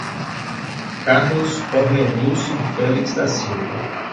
Carlos Orlenilson Felix da Silva